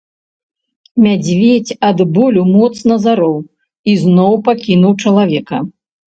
Мядзведзь ад болю моцна зароў і зноў пакінуў чалавека.